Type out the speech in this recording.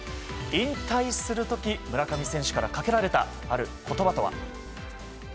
引退する時村上選手からかけられたある言葉とは。